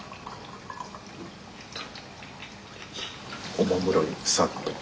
おもむろにさっと。